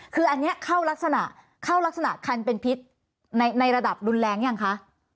คืออันนี้เข้ารักษณะเข้ารักษณะคันเป็นพิษในระดับรุนแรงยังคะ